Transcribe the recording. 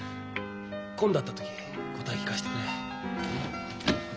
今度会った時答え聞かせてくれ。